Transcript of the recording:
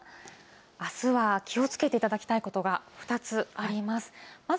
あすは気をつけていただきたいことが２つあります。